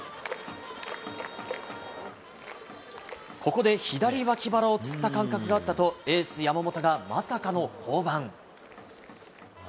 ここで左わき腹をつった感覚があったと、エース、山本がまさかの降板。